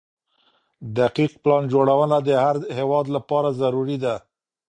دقيق پلان جوړونه د هر هيواد لپاره ضروري ده.